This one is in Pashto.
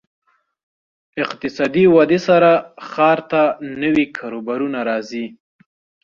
اقتصادي ودې سره ښار ته نوي کاروبارونه راځي.